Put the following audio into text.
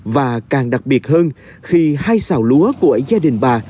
và càng đặc biệt hơn khi hai xào lúa của gia đình bà